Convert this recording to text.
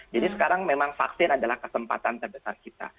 jadi sekarang memang vaksin adalah kesempatan terbesar kita